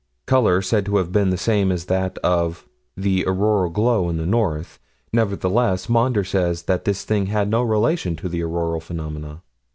Color said to have been the same as that of the auroral glow in the north. Nevertheless, Maunder says that this thing had no relation to auroral phenomena.